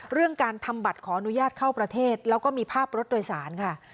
เรื่องการทำบัตรขออนุญาตเข้าประเทศแล้วก็มีภาพรถโดยสารค่ะ